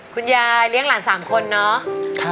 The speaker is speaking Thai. คุณยายเลี้ยงหลาน๓คนเนาะ